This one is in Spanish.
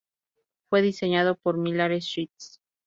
Fue diseñado por Millard Sheets.